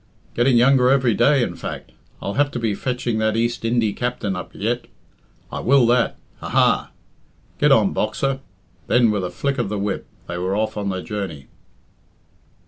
Getting younger every day, in fact. I'll have to be fetching that East Indee capt'n up yet. I will that. Ha! ha! Get on, Boxer!" Then, with a flick of the whip, they were off on their journey.